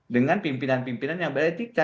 dengan pimpinan pimpinan yang beretika